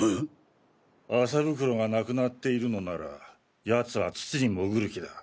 麻袋がなくなっているのなら奴は土に潜る気だ。